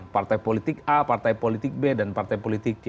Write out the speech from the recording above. partai politik a partai politik b dan partai politik c